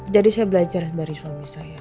jadi saya belajar dari suami saya